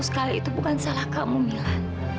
sekali itu bukan salah kamu milan